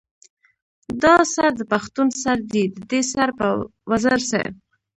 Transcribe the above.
دا سر د پښتون سر دے ددې سر پۀ وزر څۀ